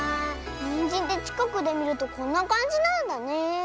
ニンジンってちかくでみるとこんなかんじなんだねえ。